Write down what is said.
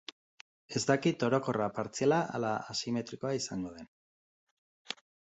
Ez dakit orokorra, partziala ala asimetrikoa izango den.